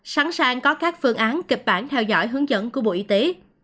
sẵn sàng có các phương án kịch bản theo dõi hướng dẫn của bộ y tế